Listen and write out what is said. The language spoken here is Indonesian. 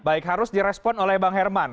baik harus direspon oleh bang herman